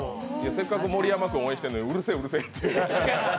せっかく盛山君、応援してるのに、うるせぇ、うるせぇって。